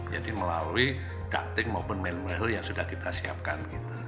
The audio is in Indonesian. jadi melalui ducting maupun manual yang sudah kita siapkan